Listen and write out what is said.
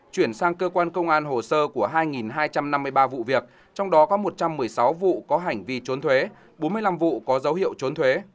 chuyển sang cơ quan công an hồ sơ của hai hai trăm năm mươi ba vụ việc trong đó có một trăm một mươi sáu vụ có hành vi trốn thuế bốn mươi năm vụ có dấu hiệu trốn thuế